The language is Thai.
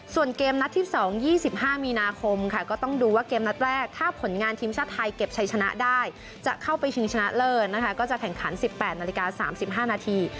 ส่วนเกมนัดที่๒๒๕มีนาคมค่ะก็ต้องดูว่าเกมนัดแรกถ้าผลงานทีมชาติไทยเก็บชัยชนะได้จะเข้าไปชิงชนะเลิศนะคะก็จะแข่งขัน๑๘นาฬิกา๓๕นาที